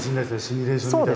シミュレーション見たら。